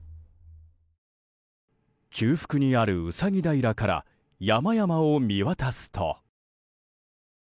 中腹にあるうさぎ平から山々を見渡すと。